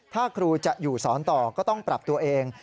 ถ้าครูจะอยู่สอนต่อก็ต้องปรับตัวเอง